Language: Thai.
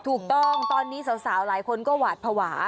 ถูกต้องตอนนี้สาวหลายคนก็หวาดภาวะ